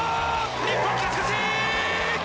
日本勝ち越し！